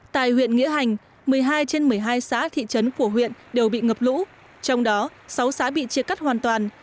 tại huyện nghĩa hành một mươi hai trên một mươi hai xã thị trấn của huyện đều bị ngập lũ trong đó sáu xã bị chia cắt hoàn toàn